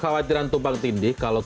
saya terima kasih pak pak